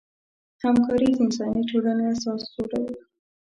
همکاري د انساني ټولنې اساس جوړوي.